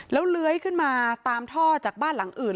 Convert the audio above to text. แล้วเลื้อยขึ้นมาตามท่อจากบ้านหลังอื่น